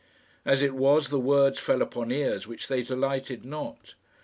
As it was, the words fell upon ears which they delighted not.